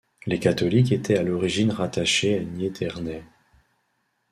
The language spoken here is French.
Les catholiques étaient à l’origine rattachés à Niedernai.